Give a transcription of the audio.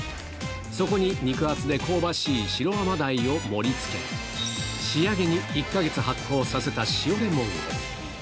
そこに肉厚で香ばしい白甘鯛を盛りつけ、仕上げに１か月発酵させた塩レモンを。